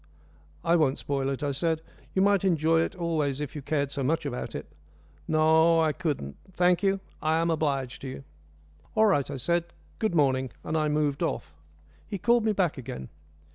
"I won't spoil it," I said. "You might enjoy it always if you cared so much about it." "No, I couldn't. Thank you. I am obliged to you." "All right," I said. "Good morning," and I moved off. He called me back again.